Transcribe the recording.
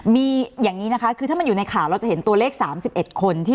มีอย่างนี้นะคะคือถ้ามันอยู่ในข่าวเราจะเห็นตัวเลข๓๑คน